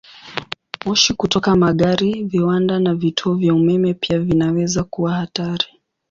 Moshi kutoka magari, viwanda, na vituo vya umeme pia vinaweza kuwa hatari.